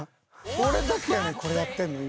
俺だけやねんこれやってんの今。